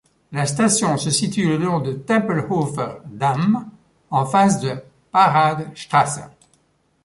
La station se situe le long de Tempelhofer Damm, en face de Paradestraße.